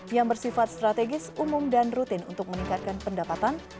yang bersifat strategis umum dan rutin untuk meningkatkan pendapatan